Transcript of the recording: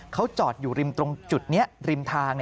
เขาจอดอยู่ริมตรงจุดนี้ริมทาง